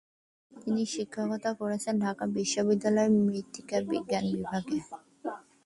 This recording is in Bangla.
তিনি শিক্ষকতা করেছেন ঢাকা বিশ্ববিদ্যালয়ের মৃত্তিকা বিজ্ঞান বিভাগে।